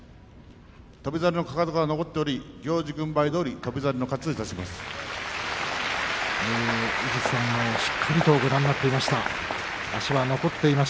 翔猿のかかとが残っており行司軍配どおり翔猿の勝ちといたします。